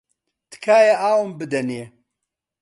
تکایە ئاوم بدەنێ.